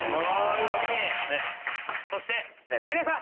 そして知念さん。